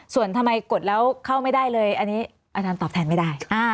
ส่วนทำไมกดแล้วเข้าไม่ได้เลยอันนี้อาจารย์ตอบแทนไม่ได้